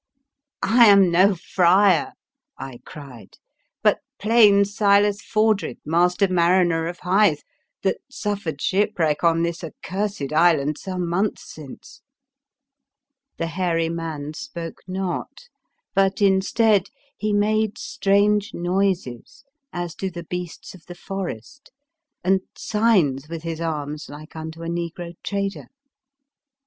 M I am no friar," I cried, M but plain Silas Fordred, master mariner of Hythe, that suffered shipwreck on this accursed island some months since." 88 The Fearsome Island The hairy man spoke not, but, in stead, he made strange noises as do the beasts of the forest, and signs with his arms like unto a negro trader.